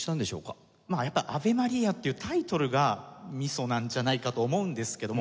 やっぱり『アヴェ・マリア』というタイトルがミソなんじゃないかと思うんですけども。